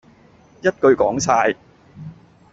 一句講曬